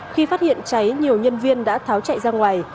khi phát hiện cháy nhiều nhân viên đã tháo chạy ra ngoài